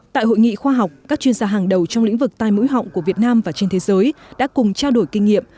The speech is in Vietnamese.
tại hội nghị khoa học các chuyên gia hàng đầu trong lĩnh vực tai mũi họng của việt nam và trên thế giới đã cùng trao đổi kinh nghiệm